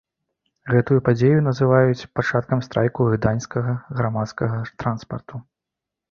Гэтую падзею называюць пачаткам страйку гданьскага грамадскага транспарту.